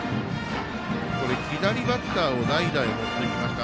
左バッターを代打に持ってきました。